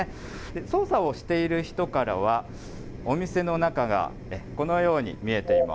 操作をしている人からは、お店の中が、このように見えています。